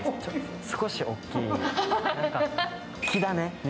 少し大きい。